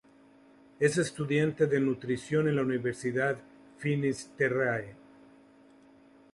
Es estudiante de nutrición en la Universidad Finis Terrae.